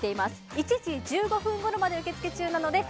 １時１５分ごろまで受け付け中なので、＃